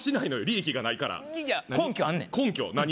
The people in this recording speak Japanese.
利益がないからいや根拠あんねん根拠何？